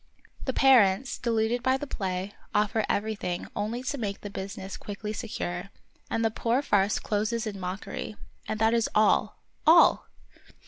The parents, deluded by the play, offer everything only to make the business quickly secure ; and the poor farce closes in mockery. And that is all, all